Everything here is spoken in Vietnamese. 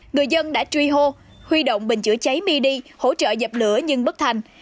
người dân đã truy hô huy động bình chữa cháy mi đi hỗ trợ dập lửa nhưng bất thành